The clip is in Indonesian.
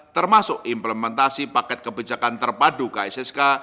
termasuk implementasi paket kebijakan terpadu kssk